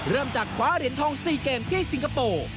เริ่มจากคว้าเหรียญทอง๔เกมที่สิงคโปร์